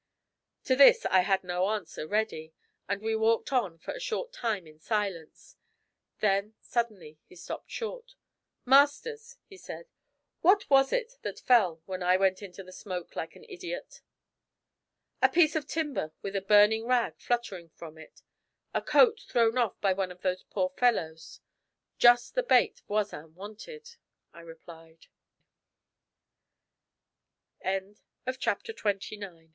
To this I had no answer ready, and we walked on for a short time in silence. Then suddenly he stopped short. 'Masters,' he asked, 'what was it that fell when I went into the smoke, like an idiot?' 'A piece of timber with a burning rag fluttering from it. A coat thrown off by one of those poor fellows. Just the bait Voisin wanted,' I replied. CHAPTER XXX. 'IT SHALL NOT BE ALL SUSPENSE.'